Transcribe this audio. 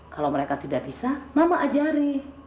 kalau mereka tidak bisa mama ajari